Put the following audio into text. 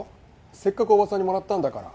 せっかくおばさんにもらったんだから。